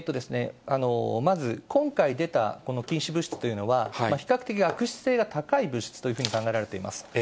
まず、今回出たこの禁止物質というのは、比較的悪質性が高い物質というふうに考えられています。